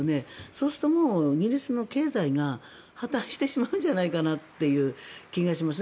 そうすると、イギリスの経済が破たんしてしまうんじゃないかなという気がします。